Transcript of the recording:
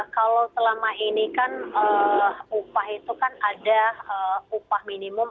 kalau selama ini kan upah itu kan ada upah minimum